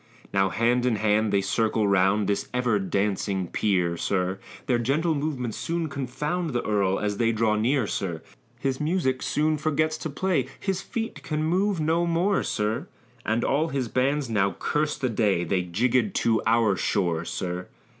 Now hand in hand they circle round This ever dancing peer, sir; Their gentle movements soon confound The earl as they draw near, sir. His music soon forgets to play His feet can move no more, sir, And all his bands now curse the day They jiggèd to our shore, sir.